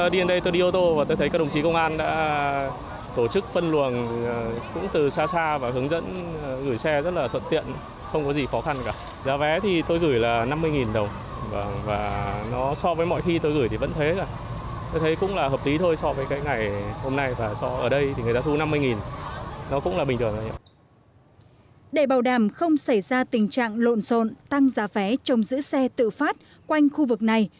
để bảo đảm không xảy ra tình trạng lộn rộn tăng giá vé trong giữ xe tự phát quanh khu vực này